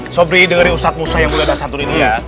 shabri dengerin ustadz musa yang beli dasar tur ini ya